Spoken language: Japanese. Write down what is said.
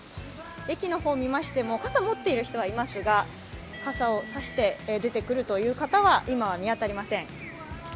駅の方を見ましても傘を持っている人はいますが傘を差して出てくる方は今は見当たりません。